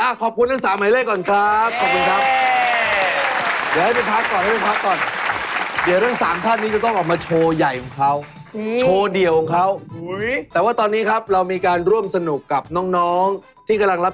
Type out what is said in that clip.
อ้าขอบคุณเรื่องสามไหมเลขก่อนครับขอบคุณครับ